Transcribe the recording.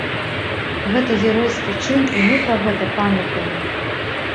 Гэта геройскі чын і мы пра гэта памятаем.